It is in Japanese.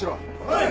はい！